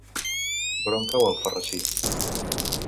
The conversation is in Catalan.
Per on cau Alfarrasí?